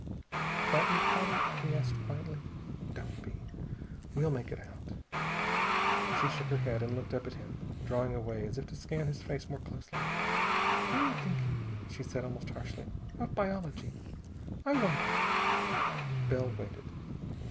"Frightened, Paula?" he asked quietly. "Don't be. We'll make out." She shook her head and looked up at him, drawing away as if to scan his face more closely. "I am thinking," she said almost harshly, "of biology. I wonder " Bell waited.